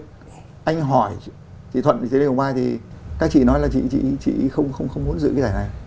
thì anh hỏi chị thuận thì các chị nói là chị không muốn giữ cái giải này